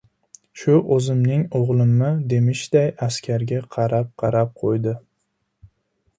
Shu o‘zimning o‘g‘limmi, demishday, askarga qarab- qarab qo‘ydi.